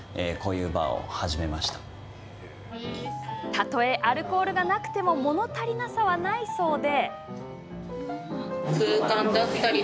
たとえアルコールがなくてももの足りなさは、ないそうで。